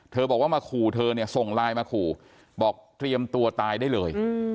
บอกว่ามาขู่เธอเนี่ยส่งไลน์มาขู่บอกเตรียมตัวตายได้เลย